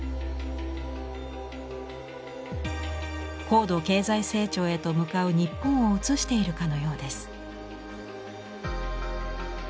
高度経済成長へと向かう日本を映しているかのようです。